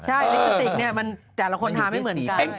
ใช่ลิปสติกเนี่ยมันแต่ละคนทาไม่เหมือนกัน